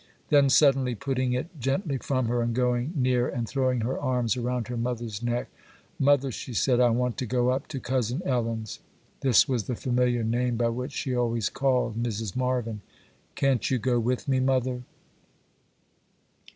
Then suddenly putting it gently from her, and going near and throwing her arms around her mother's neck,—'Mother,' she said, 'I want to go up to Cousin Ellen's.' (This was the familiar name by which she always called Mrs. Marvyn.) 'Can't you go with me, mother?